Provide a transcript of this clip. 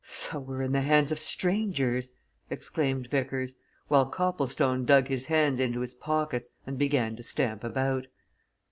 "So we're in the hands of strangers!" exclaimed Vickers, while Copplestone dug his hands into his pockets and began to stamp about.